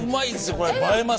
これ映えます。